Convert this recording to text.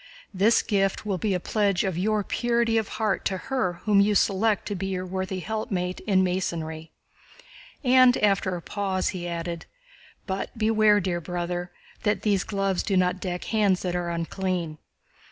This gift will be a pledge of your purity of heart to her whom you select to be your worthy helpmeet in Masonry." And after a pause, he added: "But beware, dear brother, that these gloves do not deck hands that are unclean."